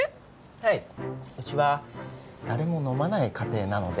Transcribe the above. はいうちは誰も飲まない家庭なので